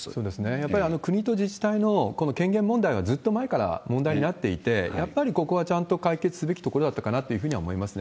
やっぱり国と自治体のこの権限問題はずっと前から問題になっていて、やっぱりここはちゃんと解決すべきところだったかなというふうには思いますね。